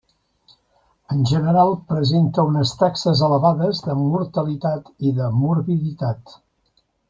En general presenta unes taxes elevades de mortalitat i de morbiditat.